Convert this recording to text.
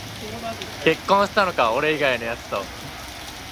結婚したのか、俺以外のやつと